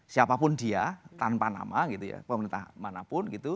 siapapun dia tanpa nama pemerintah manapun